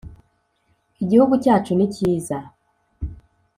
igihugu cyacu ni cyiza.